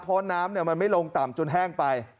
เพราะน้ำมันไม่ลงต่ำจนแห้งไป